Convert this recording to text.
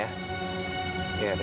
iya terima kasih